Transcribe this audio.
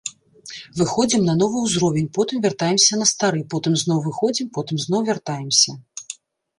Выходзім на новы ўзровень, потым вяртаемся на стары, потым зноў выходзім, потым зноў вяртаемся.